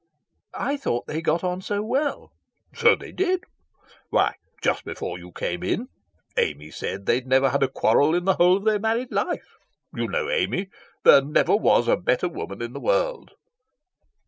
"I thought they got on so well." "So they did. Why, just before you came in Amy said they'd never had a quarrel in the whole of their married life. You know Amy. There never was a better woman in the world."